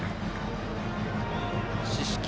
四死球